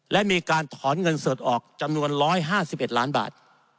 และมีการถอนเงินสดออกจำนวน๑๕๑ล้านบาท